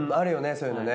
そういうのね。